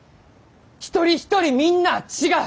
一人一人みんなあ違う！